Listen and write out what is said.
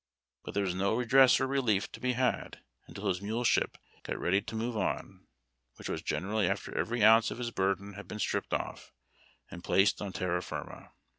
But there was no redress or relief to be had until his muleship got ready to move, which was generally after every ounce of his burden had been stripped oif and placed on terra firma.